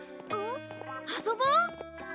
遊ぼう！